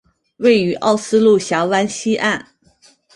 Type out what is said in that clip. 位于奥斯陆峡湾西岸。